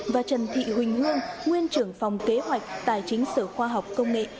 và trần thị huỳnh hương nguyên trưởng phòng kế hoạch tài chính sở khoa học công nghệ